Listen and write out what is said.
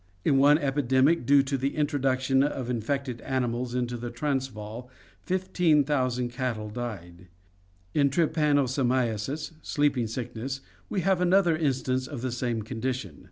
In one epidemic, due to the introduction of infected animals into the Transvaal, 15,000 cattle died. In trypanosomiasis (sleeping sickness) we have another instance of this same condition.